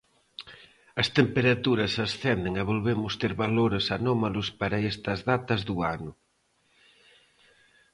As temperaturas ascenden e volvemos ter valores anómalos para estas datas do ano.